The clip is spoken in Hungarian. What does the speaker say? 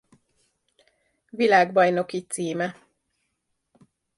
Világbajnoki címe